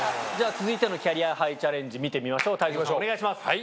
続いてのキャリアハイチャレンジ見てみましょうお願いします。